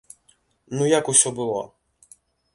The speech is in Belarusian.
Ну як усё было?